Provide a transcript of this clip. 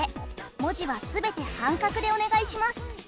文字は全て半角でお願いします。